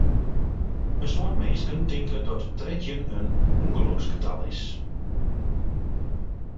In soad minsken tinke dat trettjin in ûngeloksgetal is.